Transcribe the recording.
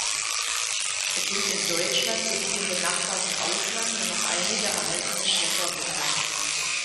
Es sind in Deutschland sowie dem benachbarten Ausland nur noch einige erhaltene Schlepper bekannt.